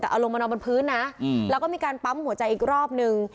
แต่เอาลงมานอนบนพื้นนะแล้วก็มีการปั๊มหัวใจอีกรอบนึง